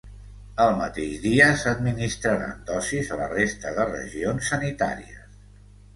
El mateix dia s’administraran dosis a la resta de regions sanitàries.